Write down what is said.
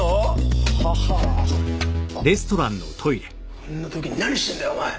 こんな時に何してるんだよお前！